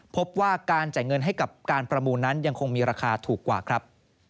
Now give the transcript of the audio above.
พบว่าการจ่ายเงินให้กับการประมูลนั้นยังคงมีราคาถูกกว่าครับ